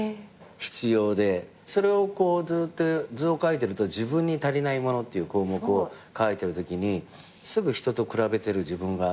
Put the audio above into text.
それをずっと図をかいてると自分に足りないものっていう項目を書いてるときにすぐ人と比べてる自分があって。